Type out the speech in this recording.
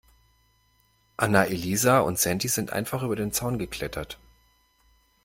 Anna-Elisa und Sandy sind einfach über den Zaun geklettert.